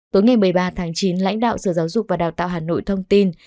tối ngày một mươi ba tháng chín lãnh đạo sở giáo dục và đào tạo hà nội thông tin